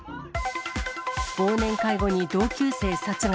忘年会後に同級生殺害。